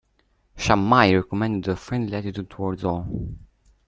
Shammai recommended a friendly attitude toward all.